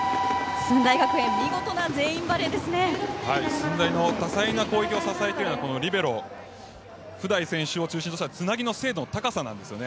駿台の多彩な攻撃を支えているのはリベロ布台選手を中心としたつなぎの精度の高さですね。